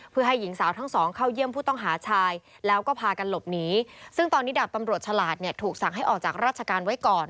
เพื่อให้หญิงสาวทั้งสองเข้าเยี่ยมผู้ต้องหาชายแล้วก็พากันหลบหนีซึ่งตอนนี้ดาบตำรวจฉลาดเนี่ยถูกสั่งให้ออกจากราชการไว้ก่อน